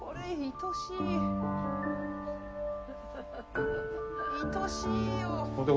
いとしいよ。